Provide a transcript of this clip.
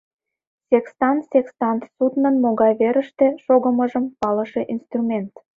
Секстан, секстант — суднын могай верыште шогымыжым палыше инструмент.